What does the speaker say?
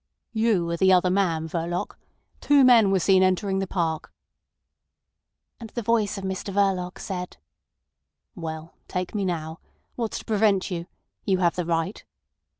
"You are the other man, Verloc. Two men were seen entering the park." And the voice of Mr Verloc said: "Well, take me now. What's to prevent you? You have the right."